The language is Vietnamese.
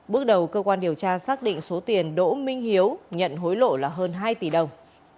bước đầu cơ quan điều tra xác định số tiền đỗ minh hiếu nhận hối lộ là hơn hai tỷ đồng